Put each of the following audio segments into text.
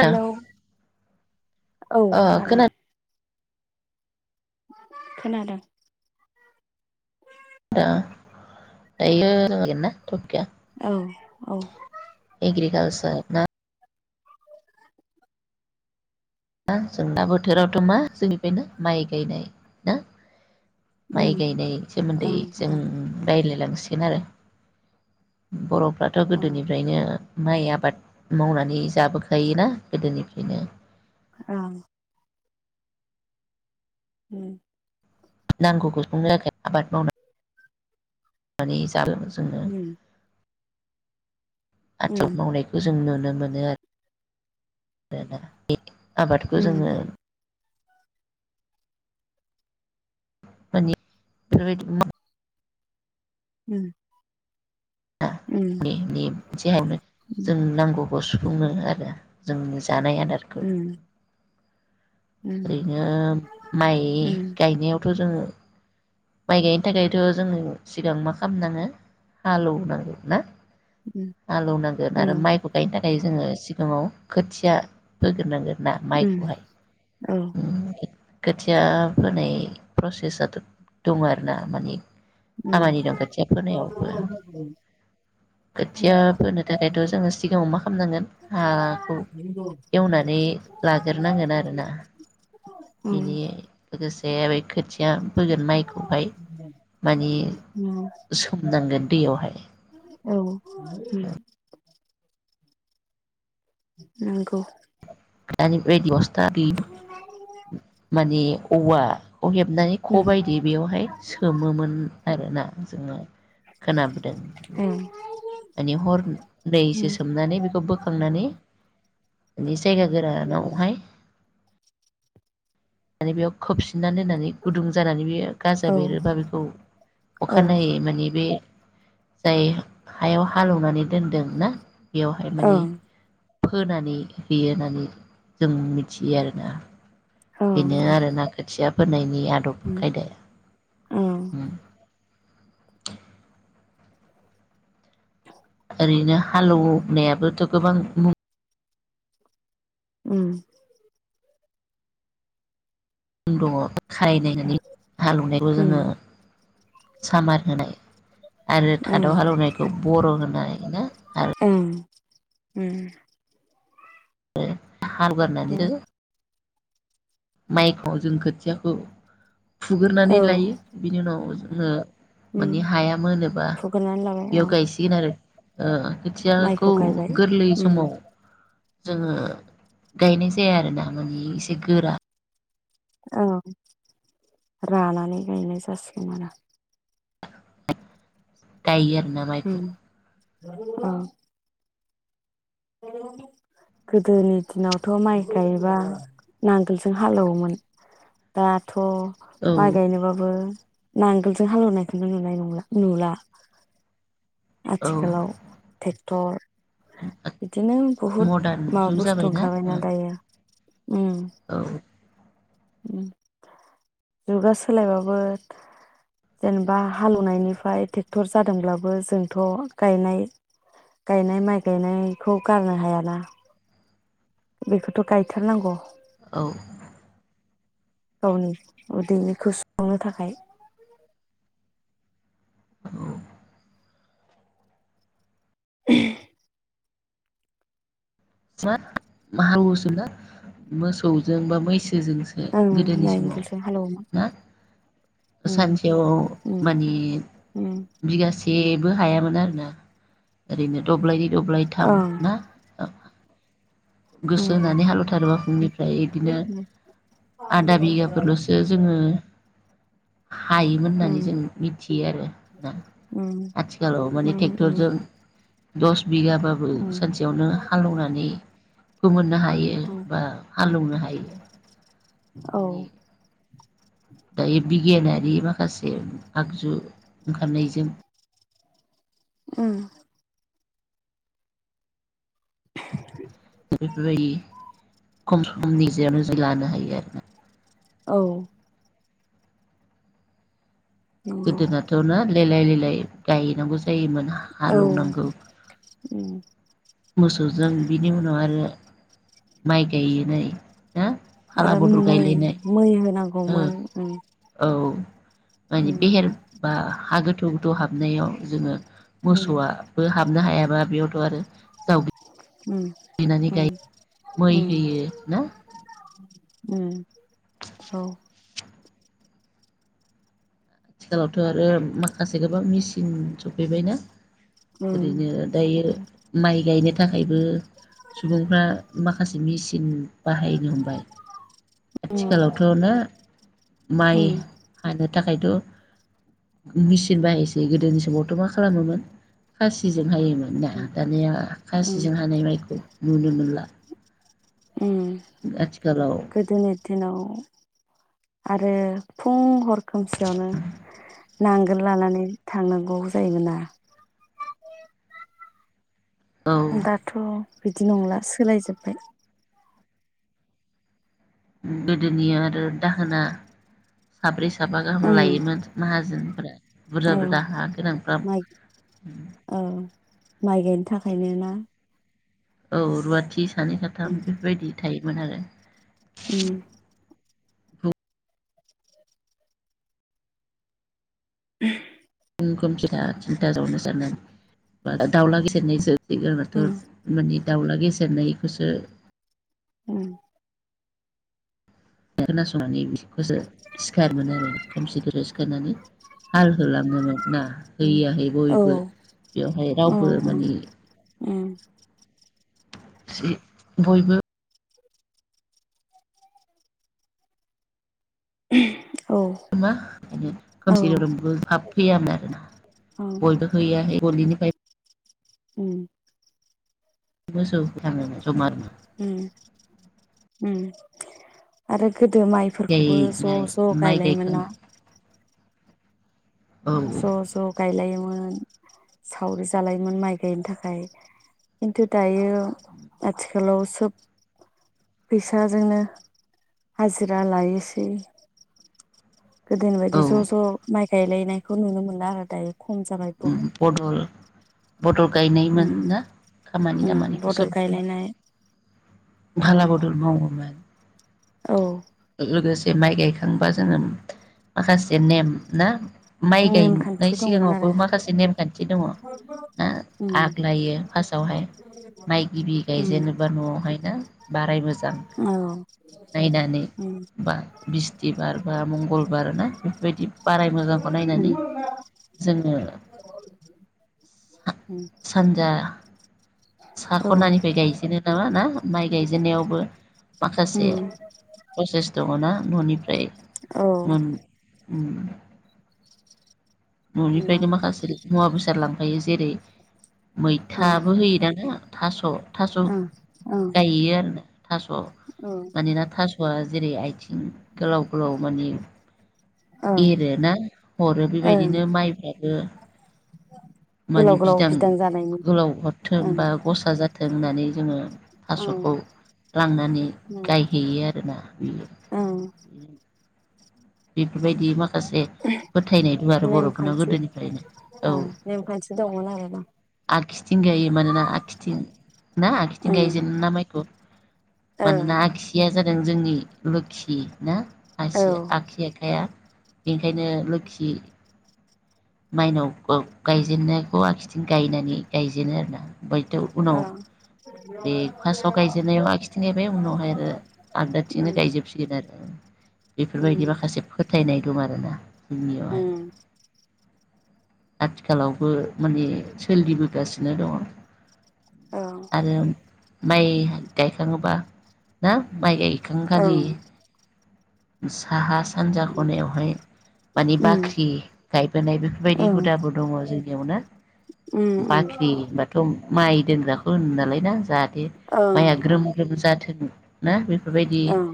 हेल औ खोनादों। खोनादों। दा। दायो [unintelligible] [unintelligible] औ औ। एग्रिकालचार ना मा जोंना बोथोरावथ मा जोंनिफ्रायनो माइ गायनाय ना। उम माइ गायनाय सोमोन्दै ओं जों औ रायलायलांनो, गोन आरो बरफ फोराथ औ गोदोनिफ्रायनो। माइ आबाद मावनानै जाबोखायोना गोदोनिफ्रायनो ओं। उम नांगौखौ संनो थाखाय आबाद मावनानै [unintelligible] [unintelligible] उम आदब उम मावनायखौ जों नुनो मोनो आरो [unintelligible] आबादखौ उम जोङो [unintelligible] उम उम [unintelligible] जोंनो नांगौ बस्थु [unintelligible] जानाय आदारखौ उम ओरैनो माइ उम गायनायाव खौ जोङो माइ गायनो थाखायथ' जोङो सिगां मा खालामनाङो हालेवनांगौ ना? उम हालौनांगोन उम औ आरो माइखौ गायनो नां फ्राय जोङो सिगाङाव खोथिया फोग्रोनांगोन ना उम माइखौहाय औ खोथिया फोनाय प्रसेसआथ' दङ आरोना माने उम खामानि दं खोथिया फोनायावबो खोथिया फोनो थाखायथ' जोङो सिगाङाव मा खालामनांगोन हाखौ एवनानै लाग्रोनांगोन आरोना उम बिनि लोगोसे बे [unintelligible] सोमनांगोन दैयावहाय औ नंगौ। [unintelligible] [unintelligible] औवा खौ हेबनानै ख' उम बायदि बेयावहाय सोमोमोन आरोना जोंनाव खोनाबदों ओं माने हरनैसो उम सोमनानै बेखौ बोखांनानै बिसो गोरानावहाय आरो बेयाव खोबस फिननानै दोनानै गुदुं जानानै बे गाजा औ बेरोबा बेखौ औ अखानायनायै माने बे जाय हायाव हालौवनानै दोनदों ना बेयावहाय माने ओं फोनानै होयो होननानै जों मिथियो आरोना बेनो ओं आरो ना खोथिया। फोनायनि बि आदब उम खायदा ओं उम। ओरैनो हालौनायाबोथ गोबां मुं। उम दङ खारायनानै हालौवनायखौ जोङो उम सामार होनाय आरो ओं थादाव हालौवनायखौ बर' होनाय होनो आरो ना। ओं उम [unintelligible] उम [unintelligible] माइखौ जों खोथियाखौ। औ फुग्रोनानै लायो बिनि उनाव जों हो उम माने हाया मोनोबा फुग्रोनानै लाबाय बेयाव औ गायसिगोन आरो ओ खोथियाखौ माइखौ गायबाय गोरलै उम समाव जोङो गायनाय जाया आरोना माने एसे गोरा। औ रानानै गायनाय जासिगोन आरो गायो आरो। ना माइखौ। उम औ। गोदोनि दिनावथ माइ गायबा नांगोलजों हालेवोमोन दाथ' अ माइ औ गायनोबाबो। नांगोलजों हालेवनायखौनो नुनाय नंला नुला औ आथिखालाव ट्रेक्टर बिदिनो बहुद मदार्न माबा जुग बुस्थु जाबायना ओंखारबायना दायो। उम ओ जुगा सोलायबाबो जेनेबा हालेवनायनिफ्राय टेक्टर जादोंब्लाबो जोंथ गायनाय गायनाय माइ गायनायखौ गारनो हायाना बेखौथ गायथारनांगौ। औ। गावनि उदैनिखौ सुफुंनो थाखाय [unintelligible] उ हागोसोना मोसौजों बा मैसो। जोंसो ओं गोदोनि समाव नांगोलजों हालेवोमोन ना उम सानसेयाव उम मानि उम बिगासे एबो हायामोन आरोना ओरैनो दब्लायनै दब्लाय थाम ओं ना ओं। गोसो होनानै उम हालौथारोबा फुंनिफ्राय बिदिनो आधा बिगाफोरलसो जोङो हायोमोन होननानै उम जों मिथियो आरो ना उम आथिखालाव उम माने ट्रेक्टरजों दस बिगाबाबो उम सानसेयावनो हालौनाय फोमोन नो हायो उम बा हालौनो हायो। औ दायो बिगियानारि नि माखासे आगजु ओंखारनायजों ओं [inaudible] बेफोरबायदि खम समनि जेयावनो जि लानो हायो आरो ना, औ नंगौ गोदोनाथ ना लेलाय लेलाय [unintelligible] गायनांगौ जायोमोन औ हालौनांगौ। उम मोसौजों बिनि उनाव आरो माइ गायनाय, ना फाला आरो बदल मै गायलायनाय मै ओ होनांगौमोन ओम, औ माने बिहेर बा हा गोथौ गोथौ हाबनायाव जोङो उम मोसौआबो हाबनो हायाबा बेयावथ' आरो जाव उम उम बिनानैहाय मै होयो ना? ओम औ। आथिखालावथ आरो माखासे गोबां मेचिन सफैबायना। उम ओरैनो दायो माइ गायनो थाखायबो सुबुंफ्रा माखासे मेचिन बाहायनो हमबाय उम आथिखालावथ' ना माइ उम हानो थाखायथ मेचिन बाहायसै गोदोनि समावथ' मा खालामोमोन खासि सिजों हायोमोन ना दानिया उम खासिजों हानाय माइखौ नुनो मोनला उम आथिखालाव। गोदोनि दिनाव आरो फुं हर खोमसियावनो नांगोल लानानै थांनांगौ जायोमोना औ दाथ' बिदि नंला सोलायजोब्बाय गोदोनि आरो दाहोना साब्रै साबा गाहाम उम लायोमोन माहाजोनफोरा बुरजा औ बुरजा हा। गोनांफ्रा माइ औ माइ गायनो था खायनोना। औ रुवाथि सानै उम साथाम बेफोरबायदि थायोमोन आरो उम। फुं [unintelligible] श [unintelligible] दाउला गेसिरनोसै। सिगांनाथ' उम मानि दाउला गेसेेरनायखौसो उम खोना संनानै। खौसो सिखारोमोन आरो खोमसि गोसो सिखारनानै हाल होलाङोमोन ना है उम या है औ बयबो बेवहाय रावबो औ मानि उम [unintelligible] बयबो। [unintelligible] मा बिदि औ खोमसि गोरोमबो हाब फैया नो [unintelligible] उम बयबो हैया है गलि निफाय उम। मोसौ। थाङोमोन ज'मानो उम उम आरो गोदो माइफोरखौबो गायनाय ज'ज' माइ गायखां गायलायोमोन ना? औ ज' ज' गायलायोमोन। मोन सावरि जालायोमोन माइ गायनो थाखाय खिन्थु दायो। आथिखा आथिखालाव सोब फैसाजोंनो हाजिरा लायोसै। गोदोनि औ बायदि ज' ज' माइ गायलायनायखौ नुनो मोनला आरो दायो। खम जाबाय उम बहुद बदल बद गायनाय मोन ना उम खामानि उम दामानिखौ बदल सोब गायलायनाय उम फाला बदल मावोमोन औ लोगोसे माइ गायखांबा जोङो माखासे नेम ना माइ गायनाय नेमखान्थि दंमोन सिगाङावबो आरो माखासे नेमखान्थि दङ ना उम आ आग्लायो फास्तावहाय माइ गिबि उम गायजेेनोबा न'आवहाय ना बाराय मोजां औ उम नायनानै उम बा बिस्थिबार बा मंगलबार ना बेफोरबायदि बाराय मोजां। खौ उम औ उम औ नायनानै नंगौ औ जोङो सानजा सा खनानिफ्राय गायजेनो नामा ना माइ गायजेन्नायावबो ओं माखासे सेेस दङ ना ननिफ्राय न'नि उम ननिफ्रायनो माखासे मुवा बेसाद लांफायो जेरै ओं मैथाबो होयो दाना थास। थास ओं गायो आरो ना थास मानोना थास जेरै आथिं गोलाव गोलाव माने ओं एरोना हरो ओं बेबायदिनो माइफ्राबो माने गोलाव गोलाव बिदां जानायनि गोलाव हरथों ओं बा गसा जाथों होननानै जोङो थास'खौ ओं लांनानै गायहैयो आरो बेना बियो ओं [unintelligible] दि माखासे फोथायनाय दं आरो बरफोरनाव नेमखान्थि गोदोनिफायनो औ ओं नेमखान्थि दंमोन आरोना आगसिथिं गायो मानोना आगसिथिं ना आगसिथिं ओं गायजेनोना मायखौ मानोना आगसिया जादों जों जोंनि लोखि ना आसिया ओं आखि आखाइया बेनिखायनो लोखि माइनाव खौ गायजेन्नायखौ आखिथिं गायनानै गायजेनो आरोना हयत उनाव ओं बे फासाव गायजेननायाव आगसिनिफ्राय उनाव हाय आरो आगदाथिंनो उम गायजोबसिगोन आरो बेफोरबायदि माखासे फोथायनाय। दं आरोना। उननियावहाय उम आथिखालावबो माने सोलिबोगासिनो दङ ओं आरो माइ गायखाङोबा ना माइ गाय। उम [unintelligible] [inaudible] साहा सानजा खनायावहाय माने बाख्रि गायबोनाय बेफोरबायदि ओं हुदाबो दङ जोंनियावनो उम उम बाख्रि होनबाथ' माइ दोनग्राखौ होनो नालाय ना जा [unintelligible] ओं माइया ओं ग्रोम ग्रोम जाथों। ना बि बेफोरबायदि ओं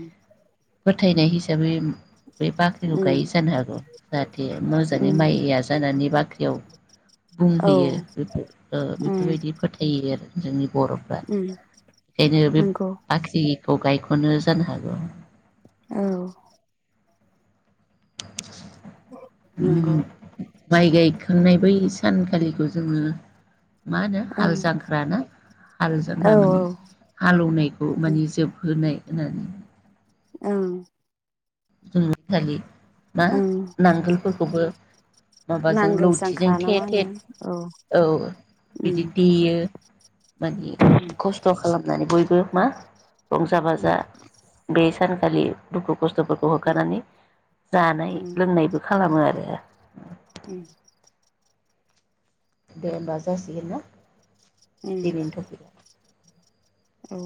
थायनाय हिसाबै बे बाख्रिखौ उम गायै जानो हागौ जाहाथे मोजाङै उम माइया जानानै बाख्रियाव औ बुंहैयो बेफो ओ उम बेफोरबायदि फोथायो आरो जोंनि बर'फ्रा उम बेनो बे नंगौ बाख्रि खौ गायख'नो जानो हागौ। औ। नंगौ [inaudible] माइ गायखांनाय बै सानखालिबो जोङो मा होनो हाल ओं जांख्राना हाल औ जांख्रा माने हालौनायखौ माने जोबहोनाय होननानै ओं। [inaudible] ना, ओं नांगोलफोरखौबो माबाजों नांगोल लावथिजों जांख्रा ना थे मा थे, होनो औ उम बिदि देयो माने उम खस्थ' खालाम होननानै बयबो मा रंजा बाजा उम बे सान खालि दुखु खस्थ'खौ अ होखारनानै जानाय उम लोंनायबो खालामो आरो। उम। दे होमबा जासिगोना। उम दिनैनि टपिकआ। औ।